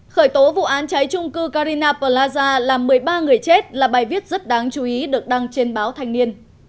khởi tố vụ án cháy trung cư carina plaza làm một mươi ba người chết là bài viết rất đáng chú ý được đăng trên báo thanh niên